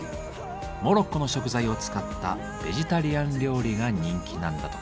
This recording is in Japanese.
モロッコの食材を使ったベジタリアン料理が人気なんだとか。